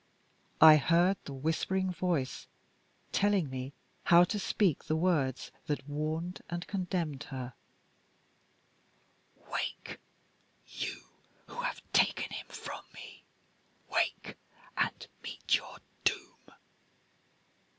I heard the whispering voice telling me how to speak the words that warned and condemned her: "Wake! you who have taken him from me! Wake! and meet your doom."